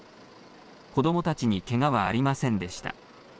子どもたちにけがはありませんでした。